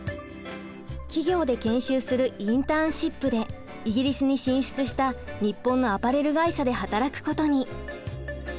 企業で研修するインターンシップでイギリスに進出した日本のアパレル会社で働くことに。